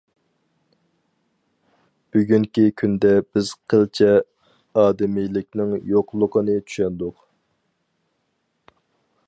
بۈگۈنكى كۈندە بىز قىلچە ئادىمىيلىكنىڭ يوقلۇقىنى چۈشەندۇق.